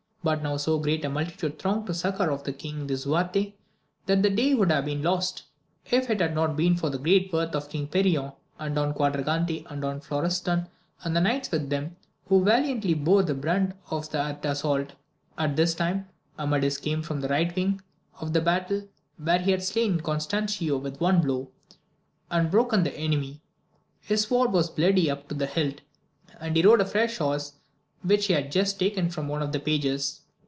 But now so great a multitude thronged to the succour of King Lisuarte, that the day would have been lost, if it had not been for the great worth of King Perion and Don Quadragante and Don Florestan and the knights with them, who valiantly bore the brunt of that assault. At this time Amadis came from the right wing, of the battle, where he had slain Gonstancio with one blow^ and broken the enemy; his sword was bloody up to the hilt, and he rode a fresh horse which he had just taken from one of the pages.